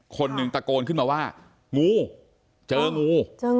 คนหนึ่งตะโกนขึ้นมาว่างูเจองู